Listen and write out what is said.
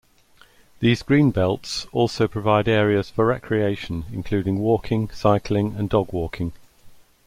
These green belts also provide areas for recreation including walking, cycling and dog walking.